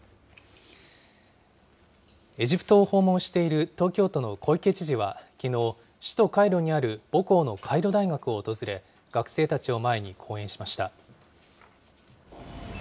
エジプトを訪問している東京都の小池知事はきのう、首都カイロにある母校のカイロ大学を訪れ、こんにちは。